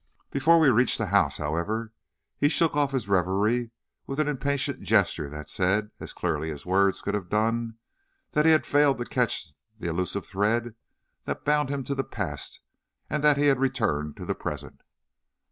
Before we reached the house, however, he shook off his reverie with an impatient gesture that said, as clearly as words could have done, that he had failed to catch the elusive thread that bound him to the past and that he had returned to the present.